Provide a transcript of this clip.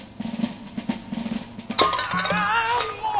あもう。